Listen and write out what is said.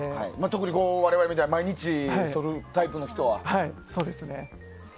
特に我々みたいに毎日そるタイプの人は。